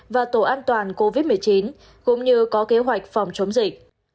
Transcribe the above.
và tổ an toàn covid một mươi chín cũng như có kế hoạch phòng chống dịch